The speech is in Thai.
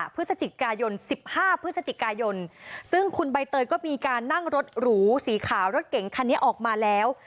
พฤศจิกายน๑๕พฤศจิกายนซึ่งคุณใบเตยก็มีการนั่งรถหรูสีขาวรถเก๋งคันนี้ออกมาแล้ว